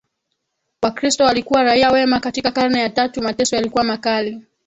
Wakristo walikuwa raia wema Katika karne ya tatu mateso yalikuwa makali